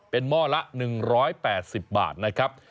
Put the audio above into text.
เป็นหม้อละ๑๘๐บาทนะครับ